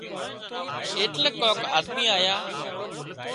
ايٽليڪ ڪانڪ آۮمي آيا